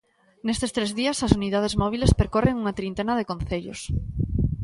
Nestes tres días, as unidades móbiles percorren unha trintena de concellos.